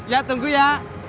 ya tunggu ya